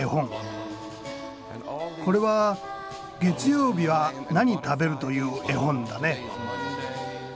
これは「月ようびはなにたべる？」という絵本だね。